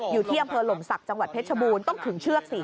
อยู่ที่อำเภอหล่มศักดิ์จังหวัดเพชรบูรณ์ต้องขึงเชือกสิ